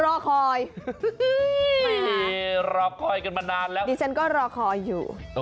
รอคอยรอคอยกันมานานแล้วดิฉันก็รอคอยอยู่